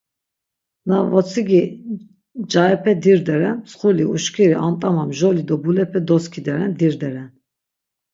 Na votsigi ncaepe dirderen, mtsxuli, uşkiri, ant̆ama, mjoli do bulepe doskideren, dirderen.